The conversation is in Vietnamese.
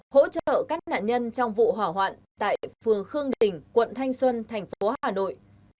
hỗ trợ các nạn nhân trong vụ hỏa hoạn tại tp hà nội